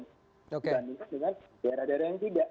dan tingkat dengan daerah daerah yang tidak